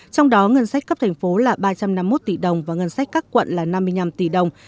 trong đó ngân sách cấp thành phố là ba trăm năm mươi một tỷ đồng và ngân sách các quận là năm mươi năm tỷ đồng